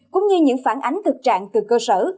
cũng như những phản ánh thực trạng từ cơ sở